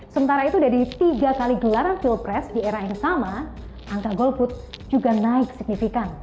sementara itu dari tiga kali gelaran pilpres di era yang sama angka golput juga naik signifikan